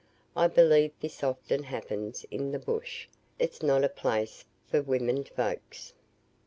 I believe this often happens in the bush it's not a place for woman folks.